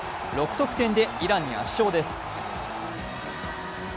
６得点でイランに圧勝です。